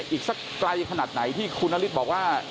อีกสักไกลขนาดไหนที่คุณนฤทธิ์บอกว่า